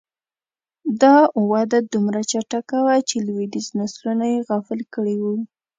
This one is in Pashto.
دا وده دومره چټکه وه چې لوېدیځ نسلونه یې غافل کړي وو